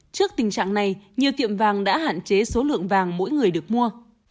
trước tình trạng này nhiều tiệm vàng đã hạn chế số lượng vàng mỗi người được mua